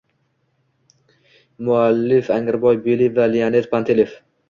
Mualliflarigrigoriy Beliy va Leonid Panteleev